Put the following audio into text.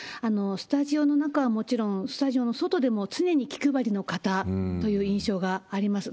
スタジオの中はもちろん、スタジオの外でも常に気配りの方という印象があります。